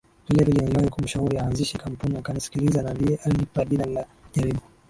vilevile niliwahi kumshauri aanzishe kampuni akanisikiliza na ndiye alinipa jina la jaribu